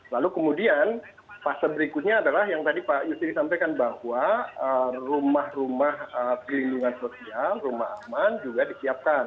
lalu kemudian fase berikutnya adalah yang tadi pak yusri sampaikan bahwa rumah rumah pelindungan sosial rumah aman juga disiapkan